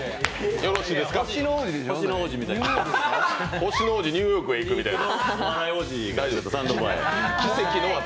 「星の王子ニューヨークへ行く」みたいな。